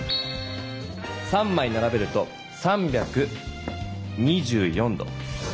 ３まいならべると３２４度。